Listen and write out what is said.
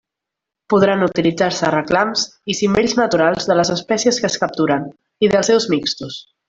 Podran utilitzar-se reclams i cimbells naturals de les espècies que es capturen i dels seus mixtos.